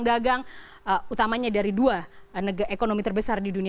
dagang utamanya dari dua ekonomi terbesar di dunia